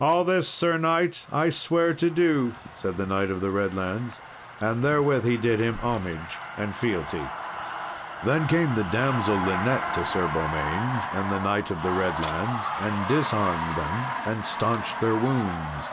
"All this, Sir knight, I swear to do," said the Knight of the Redlands; and therewith he did him homage and fealty. Then came the damsel Linet to Sir Beaumains and the Knight of the Redlands, and disarmed them, and staunched their wounds.